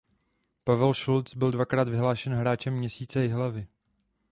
Pavel Šulc byl dvakrát vyhlášen hráčem měsíce Jihlavy.